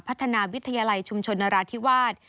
พัฒนาวิทยาลัยชุมชนนราธิวาส